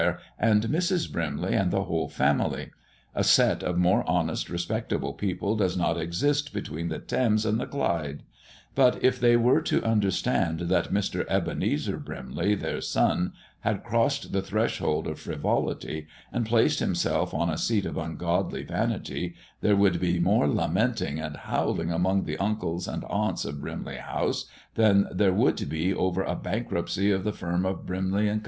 and Mrs. Brimley, and the whole family. A set of more honest, respectable people does not exist between the Thames and the Clyde; but if they were to understand that Mr. Ebenezer Brimley, their son, had crossed the threshold of frivolity, and placed himself on a seat of ungodly vanity, there would be more lamenting and howling among the uncles and aunts of Brimley House than there would be over a bankruptcy of the firm of Brimley and Co.